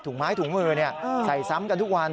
ถุงไม้ถุงมือเนี่ยใส่ซ้ำกันทุกวัน